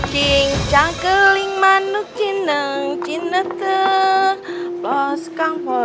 jangan lupa untuk berikan dukungan di atas laman fb kami